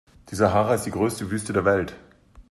Die Sahara ist die größte Wüste der Welt.